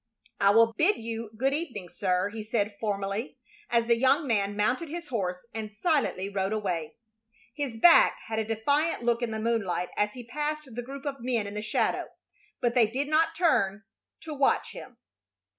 "I will bid you good evening, sir," he said, formally, as the young man mounted his horse and silently rode away. His back had a defiant look in the moonlight as he passed the group of men in the shadow; but they did not turn to watch him.